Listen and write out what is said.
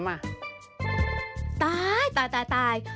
ตายตายตาย